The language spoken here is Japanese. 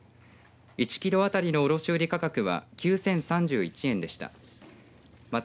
１キロ当たりの卸売価格は９０３１円でした。